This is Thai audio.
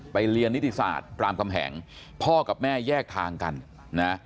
เรียนนิติศาสตร์รามคำแหงพ่อกับแม่แยกทางกันนะ